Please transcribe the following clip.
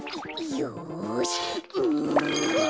よし！